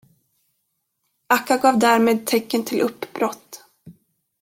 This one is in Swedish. Akka gav därmed tecken till uppbrott.